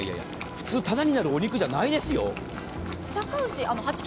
普通タダになるお肉じゃないですよ。